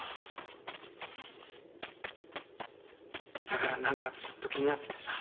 だから何かずっと気になっててさ。